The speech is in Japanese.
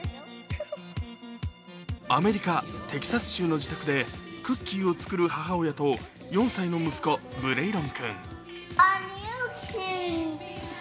アメリカ・テキサス州の自宅でクッキーを作る母親と４歳の息子ブレイロン君。